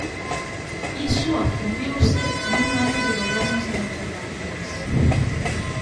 Iso afundiuse nun ano de goberno sen alternativas.